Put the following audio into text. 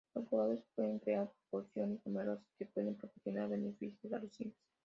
Los jugadores pueden crear pociones numerosas que pueden proporcionar beneficios a los Sims.